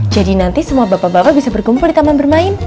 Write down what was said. jadi nanti semua bapak bapak bisa berkumpul di taman b